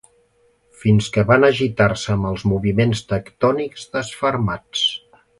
fins que van agitar-se amb els moviments tectònics desfermats